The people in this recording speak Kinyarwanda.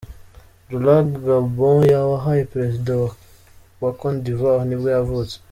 Laurent Gbagbo, wabaye perezida wa wa Cote D’ivoire nibwo yavutse.